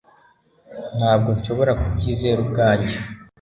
Ntabwo nshobora kubyizera ubwanjye